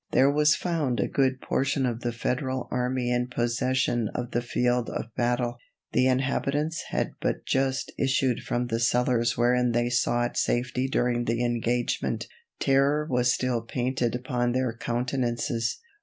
There was found a good portion of the Federal army in possession of the field of battle. The inhabitants had but just issued from the cellars wherein they had sought safety during the engagement. Terror was still painted upon their countenances.